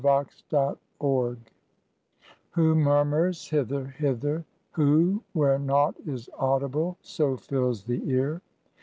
WITH THE PERSUADER WHO murmurs, hither, hither: who Where nought is audible so fills the ear?